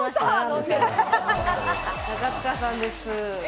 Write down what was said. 中務さんです。